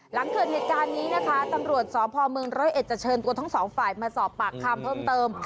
หลังเกิดเหตุการณ์นี้นะคะตำรวจสพเมืองร้อยเอ็ดจะเชิญตัวทั้งสองฝ่ายมาสอบปากคำเพิ่มเติม